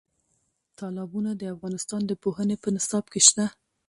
تالابونه د افغانستان د پوهنې په نصاب کې شته.